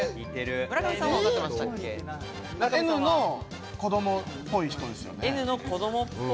Ｎの子どもっぽい人ですよね。